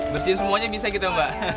bersihin semuanya bisa gitu mbak